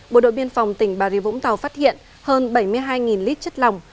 bộ đội biên phòng tỉnh bà rịa vũng tàu phát hiện hơn bảy mươi hai lít chất lòng